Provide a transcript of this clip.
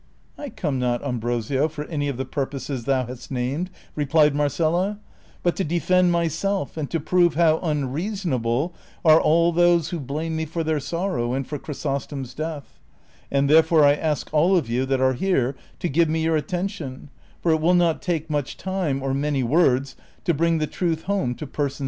" I come not, Ambrosio, for any of the purposes thou hast named," replied IVIarcela, " but to defend myself and to prove how unreasonable are all those who blame me for their sorrow and for Chrysostom's death ; and therefore I ask all of you that are here to give me your attention, for it will not take much time or many words to bring the truth home to persons of sense.